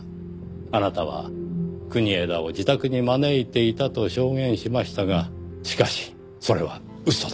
あなたは国枝を自宅に招いていたと証言しましたがしかしそれは嘘だった。